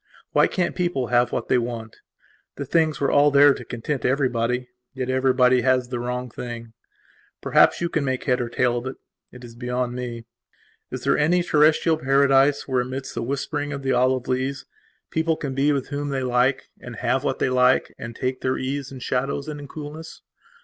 Why can't people have what they want? The things were all there to content everybody; yet everybody has the wrong thing. Perhaps you can make head or tail of it; it is beyond me. Is there any terrestial paradise where, amidst the whispering of the olive leaves, people can be with whom they like and have what they like and take their ease in shadows and in coolness?